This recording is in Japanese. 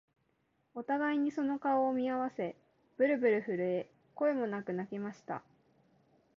お互いにその顔を見合わせ、ぶるぶる震え、声もなく泣きました